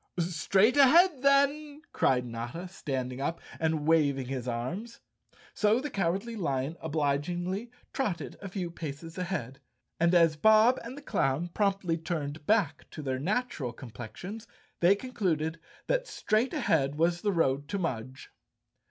"Straight ahead then," cried Notta, standing up and 199 The Cowardly Lion of Oz waving his arms. So the Cowardly Lion obligingly trotted a few paces straight ahead, and as Bob and the clown promptly turned back to their natural com¬ plexions, they concluded that straight ahead was the road to Mudge.